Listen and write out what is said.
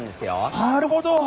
なるほど！